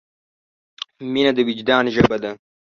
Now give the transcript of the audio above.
مینه د وجدان ژبه ده.